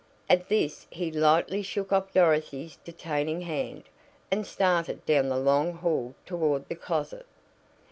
At this he lightly shook off Dorothy's detaining hand, and started down the long hall toward the closet.